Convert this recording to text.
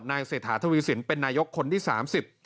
นายเสถาธวิสินเป็นนายกคนที่๓๐